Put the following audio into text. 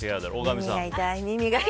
耳が痛い。